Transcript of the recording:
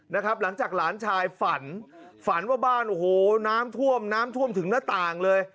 หลังจากหลานชายฝันฝันว่าบ้านโอ้โหน้ำท่วมน้ำท่วมถึงหน้าต่างเลย